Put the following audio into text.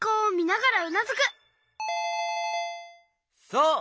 そう！